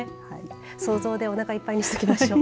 想像でおなかいっぱいにしておきましょう。